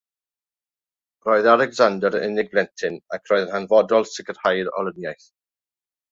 Roedd Alexander yn unig blentyn, ac roedd yn hanfodol sicrhau'r olyniaeth.